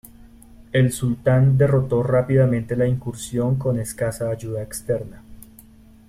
El sultán derrotó rápidamente la incursión con escasa ayuda externa.